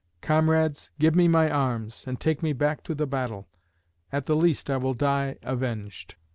Comrades, give me my arms, and take me back to the battle. At the least I will die avenged."